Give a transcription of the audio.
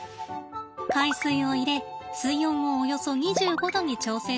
海水を入れ水温をおよそ２５℃に調整します。